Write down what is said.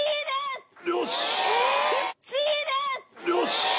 よし！